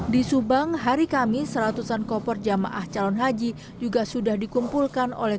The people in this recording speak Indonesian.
di subang hari kami seratusan koper jamaah calon haji juga sudah dikumpulkan oleh